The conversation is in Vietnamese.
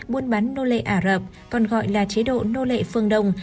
buôn bán nô lệ ả rập còn gọi là chế độ nô lệ phương đông